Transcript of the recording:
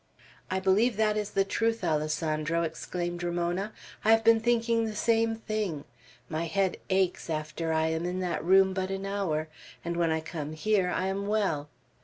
"I believe that is the truth, Alessandro," exclaimed Ramona; "I have been thinking the same thing. My head aches after I am in that room but an hour, and when I come here I am well.